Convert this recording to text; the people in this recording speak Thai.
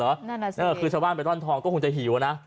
นั่นน่ะสิเออคือชาวบ้านไปร่อนทองก็คงจะหิวอะนะ